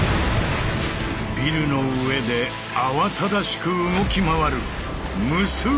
ビルの上で慌ただしく動き回る無数の解体重機！